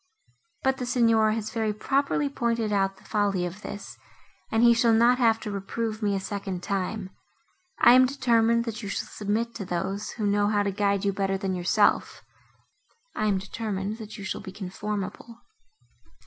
But the Signor has very properly pointed out the folly of this, and he shall not have to reprove me a second time. I am determined, that you shall submit to those, who know how to guide you better than yourself—I am determined, that you shall be conformable."